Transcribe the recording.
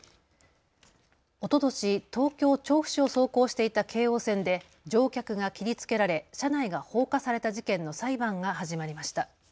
おととし、東京調布市を走行していた京王線で乗客が切りつけられ車内が放火された事件の裁判が始まりました。